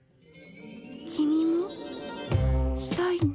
君もしたいの？